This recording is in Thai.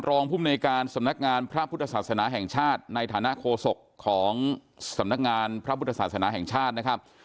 ภูมิในการสำนักงานพระพุทธศาสนาแห่งชาติในฐานะโคศกของสำนักงานพระพุทธศาสนาแห่งชาตินะครับ